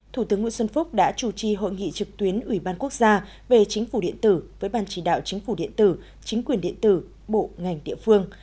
thủ tướng nguyễn xuân phúc đã chủ trì hội nghị trực tuyến ủy ban quốc gia về chính phủ điện tử với ban chỉ đạo chính phủ điện tử chính quyền điện tử bộ ngành địa phương